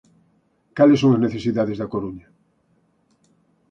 Cales son as necesidades da Coruña?